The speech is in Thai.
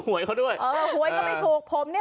สวัสดีสวัสดี